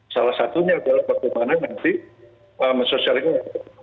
salah satunya adalah bagaimana nanti sosialisasi